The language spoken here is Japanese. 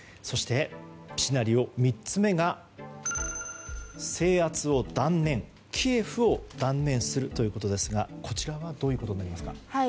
そしてシナリオ３つ目が制圧を断念キエフを断念するということですがこちらはどういうことになりますか？